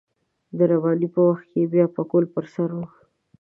د رباني په وخت کې يې بيا پکول پر سر و.